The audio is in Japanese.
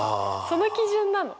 その基準なの？